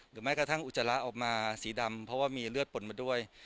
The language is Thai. แม้กระทั่งอุจจาระออกมาสีดำเพราะว่ามีเลือดปนมาด้วย